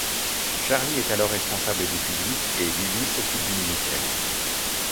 Charly est alors responsable du public et Lulu s'occupe du Minitel.